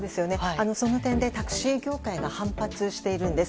その点でタクシー業界が反発しているんです。